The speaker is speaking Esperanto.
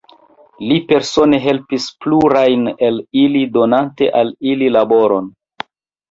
Li persone helpis plurajn el ili, donante al ili laboron.